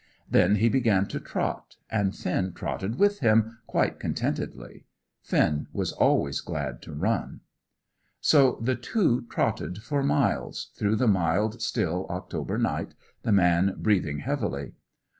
Then he began to trot, and Finn trotted with him, quite contentedly. Finn was always glad to run. So the two trotted for miles, through the mild, still October night, the man breathing heavily.